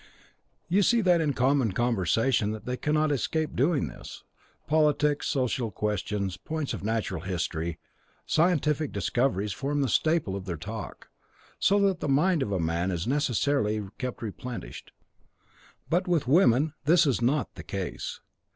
You see that in common conversation they cannot escape doing this; politics, social questions, points of natural history, scientific discoveries form the staple of their talk, so that the mind of a man is necessarily kept replenished. But with women this is not the case.